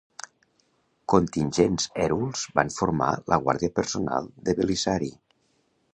Contingents hèruls van formar la guàrdia personal de Belisari.